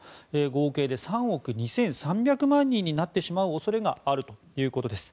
合計で３億２３００万人になってしまう恐れがあるということです。